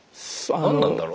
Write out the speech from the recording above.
何なんだろう？